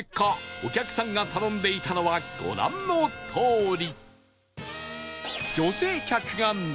お客さんが頼んでいたのはご覧のとおり